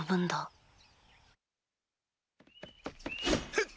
フッ！